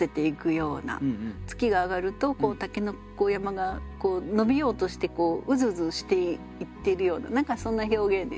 月が上がると筍山が伸びようとしてうずうずしていってるような何かそんな表現ですね。